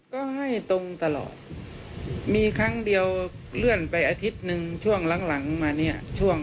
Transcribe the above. ก็ให้ตรงตลอดมีครั้งเดียวเลื่อนไปอาทิตย์หนึ่งช่วงหลังมาเนี่ยช่วง